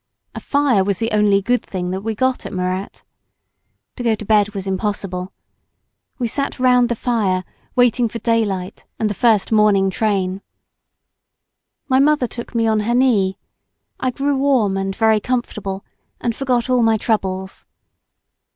A fire was the only good thing that we got at Murat. To go to bed was impossible. We sat round the fire waiting for daylight and the first morning train. My mother took me on her knee. I grew warm and very comfortable and forgot all my troubles.